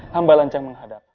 hamba lancar menghadap